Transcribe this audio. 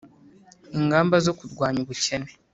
ingamba zo kurwanya ubukene